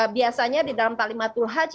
biasanya di dalam talimatul hajj